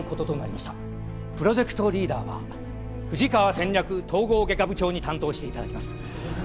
プロジェクトリーダーは富士川戦略統合外科部長に担当して頂きます。